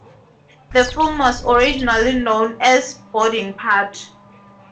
The film was originally known as "Boarding Party".